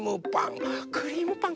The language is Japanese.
クリームパン